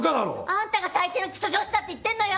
あんたが最低のくそ上司だって言ってんのよ！